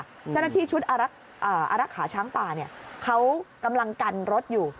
เจ้าหน้าที่ชุดอารักษาช้างป่าเขากำลังกันรถอยู่